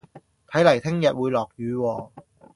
睇嚟聽日會落雨喎